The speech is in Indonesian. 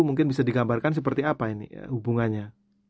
mungkin bisa digambarkan seperti apa ini hubungannya